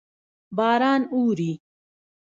باران اوري.